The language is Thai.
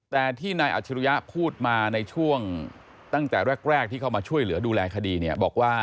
แต่ที่นายอัจฉริยะพูดมาในช่วงตั้งแต่แรกที่เข้ามาช่วยเหลือดูแลคดีเนี่ยบอกว่า